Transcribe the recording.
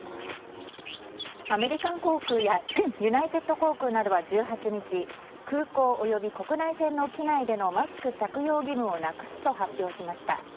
アメリカン航空やユナイテッド航空などは１８日空港及び国内線での機内でのマスク着用義務をなくすと発表しました。